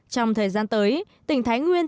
trong thời gian tới tỉnh thái nguyên